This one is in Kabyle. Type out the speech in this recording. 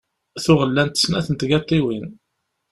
Tuɣ llant snat n tgaṭiwin.